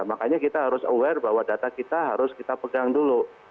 makanya kita harus aware bahwa data kita harus kita pegang dulu